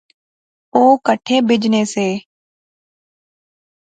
او کہٹھے بہجنے سے